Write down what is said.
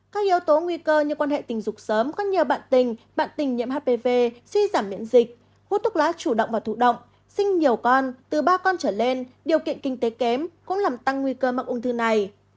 các yếu tố nguy cơ như quan hệ tình dục sớm khác nhờ bạn tình bạn tình nhiễm hpv suy giảm miễn dịch hút thuốc lá chủ động và thụ động sinh nhiều con từ ba con trở lên điều kiện kinh tế kém cũng làm tăng nguy cơ mắc ung thư này